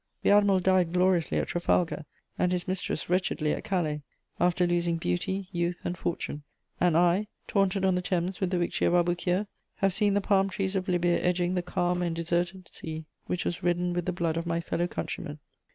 The admiral died gloriously at Trafalgar, and his mistress wretchedly at Calais, after losing beauty, youth and fortune. And I, taunted on the Thames with the victory of Aboukir, have seen the palm trees of Libya edging the calm and deserted sea which was reddened with the blood of my fellow countrymen.